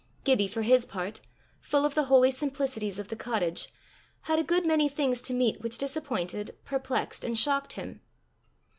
Gibbie, for his part, full of the holy simplicities of the cottage, had a good many things to meet which disappointed, perplexed, and shocked him.